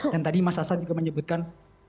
dan tadi mas hasan juga menyebutkan